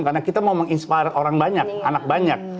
karena kita mau menginspirasi orang banyak anak banyak